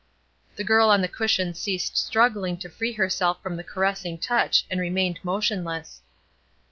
The girl on the cushion ceased struggling to free herself from the caressing touch, and remained motionless.